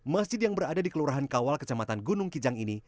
masjid yang berada di kelurahan kawal kecamatan gunung kijang ini